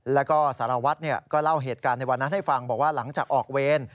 แล้วก็สารวัตรก็เล่าเหตุการณ์ในวันนั้นให้ฟังบอกว่าหลังจากออกเวร